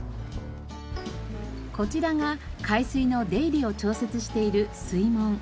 こちらが海水の出入りを調節している水門。